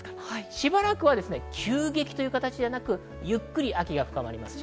しばらくは急激という形ではなくゆっくり秋が深まります。